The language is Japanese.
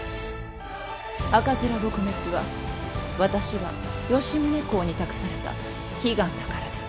赤面撲滅は私が吉宗公に託された悲願だからです。